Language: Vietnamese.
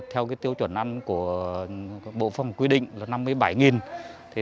theo cái tiêu chuẩn ăn của bộ phòng quy định